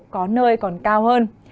có nơi còn cao hơn